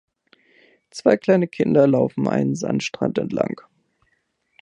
Zwei kleine Kinder laufen einen Sandstrand entlang.